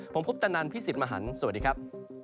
ผมคุปตะนันพี่สิทธิ์มหันฯสวัสดีครับ